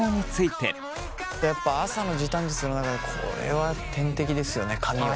やっぱ朝の時短術の中でこれは天敵ですよね髪は。